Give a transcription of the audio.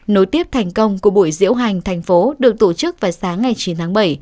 nối tiếp thành công của buổi diễu hành thành phố được tổ chức vào sáng ngày chín tháng bảy